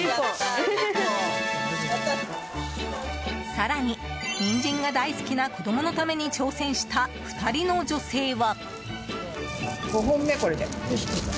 更にニンジンが大好きな子供のために挑戦した、２人の女性は。